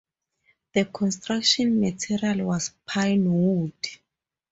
The construction material was pine wood.